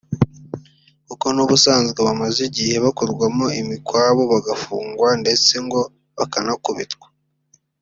kuko n’ubusanzwe bamaze igihe bakorwamo imikwabu bagafungwa ndetse ngo bakanakubitwa